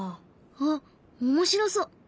あっ面白そう。